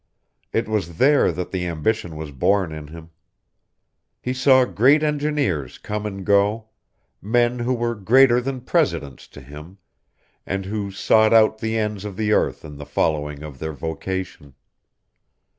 It was there that the ambition was born in him. He saw great engineers come and go men who were greater than presidents to him, and who sought out the ends of the earth in the following of their vocation.